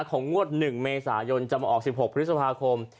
งวด๑เมษายนจะมาออก๑๖พฤษภาคม